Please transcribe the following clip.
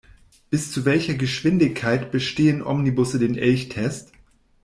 Bis zu welcher Geschwindigkeit bestehen Omnibusse den Elchtest?